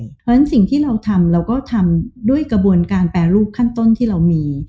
เพราะฉะนั้นสิ่งที่เราทำเราก็ทำด้วยกระบวนการแปรรูปขั้นต้นที่เรามี